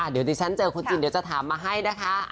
เดี๋ยวดิฉันเจอคุณจินเดี๋ยวจะถามมาให้นะคะ